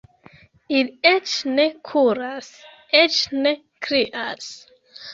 Ili eĉ ne kuras, eĉ ne krias.